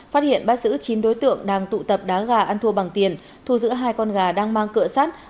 phát hiện bắt giữ chín đối tượng đang tụ tập đá gà ăn thua bằng tiền thu giữ hai con gà đang mang cửa sát